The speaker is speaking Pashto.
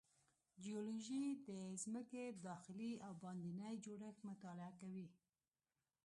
جیولوجی د ځمکې داخلي او باندینی جوړښت مطالعه کوي.